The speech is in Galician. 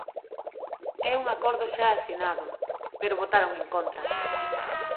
É un acordo xa asinado, pero votaron en contra.